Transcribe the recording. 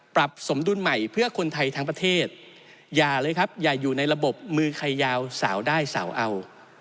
ปรับสมดุลใหม่เพื่อคนไทยทั้งประเทศอย่าเลยครับอย่าอยู่ในระบบมือใครยาวสาวได้สาวเอา